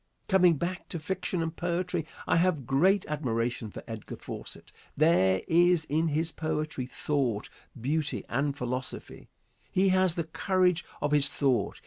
Coming back to fiction and poetry, I have great admiration for Edgar Fawcett. There is in his poetry thought, beauty and philosophy. He has the courage of his thought.